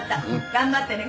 頑張ってね。